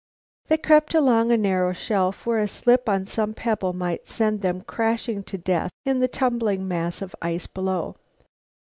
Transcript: They crept along a narrow shelf where a slip on some pebble might send them crashing to death in the tumbled mass of ice below.